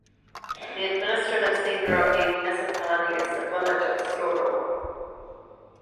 The administrative centre of the municipality is the village of Stordal.